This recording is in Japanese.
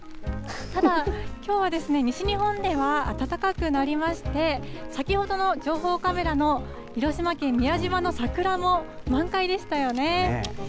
ただ、きょうは西日本では暖かくなりまして、先ほどの情報カメラの広島県宮島の桜も満開でしたよね。